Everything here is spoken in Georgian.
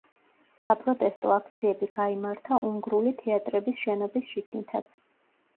საპროტესტო აქციები გაიმართა უნგრული თეატრების შენობის შიგნითაც.